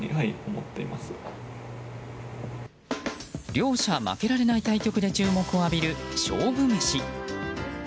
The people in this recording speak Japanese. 両者負けられない対局で注目を浴びる勝負メシ。